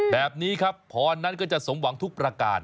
แบบนี้ครับพรนั้นก็จะสมหวังทุกประกาศ